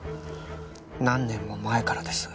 何年も前からです。